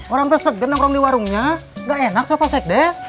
orang terseret dengan warungnya nggak enak sama pak sekdes